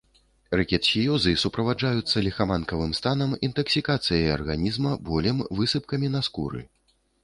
Рыкетсіёзы суправаджаюцца ліхаманкавым станам, інтаксікацыяй арганізма, болем, высыпкамі на скуры.